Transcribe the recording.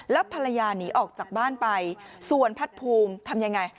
แล้วภรรยาหนีออกจากบ้านไปส่วนพัดภูมิทำยังไง